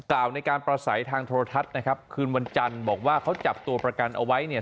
กล่าวในการประสัยทางโทรทัศน์นะครับคืนวันจันทร์บอกว่าเขาจับตัวประกันเอาไว้เนี่ย